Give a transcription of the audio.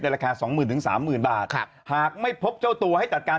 ราคาสองหมื่นถึงสามหมื่นบาทหากไม่พบเจ้าตัวให้จัดการ